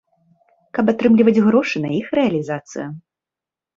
Каб атрымліваць грошы на іх рэалізацыю.